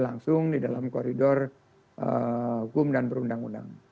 langsung di dalam koridor hukum dan berundang undang